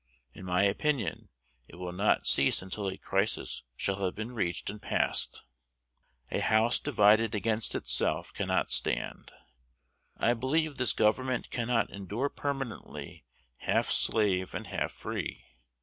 In my opinion, it will not cease until a crisis shall have been reached and passed. "A house divided against itself cannot stand." I believe this Government cannot endure permanently half slave and half free.